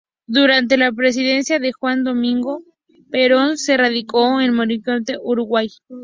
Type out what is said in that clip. Durante la presidencia de Juan Domingo Perón se radicó en Montevideo, Uruguay.